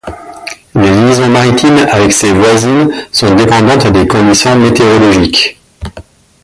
Les liaisons maritimes avec ses voisines sont dépendantes des conditions météorologiques.